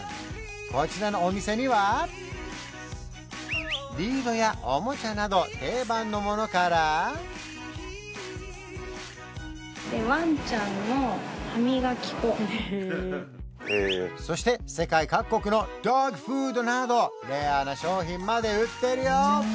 こちらのお店にはリードやおもちゃなど定番のものからそして世界各国のドッグフードなどレアな商品まで売ってるよ